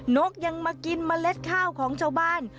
นกยังมากินเมล็ดข้าวของชาวบ้าน